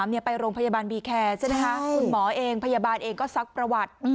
นี้๒๓ไปโรงพยาบาลบีแคร์ส์คุณหมอเองพยาบาลเองก็ซักประวัติ